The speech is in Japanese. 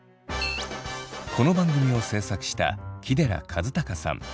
この番組を制作した木寺一孝さん。